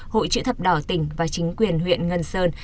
hội chữ thập đỏ tỉnh và chính quyền huyện ngân sơn